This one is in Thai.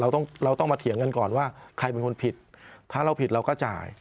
เราต้องมาเถียงกันก่อนว่าใครเป็นคนผิดถ้าเราผิดเราก็จ่าย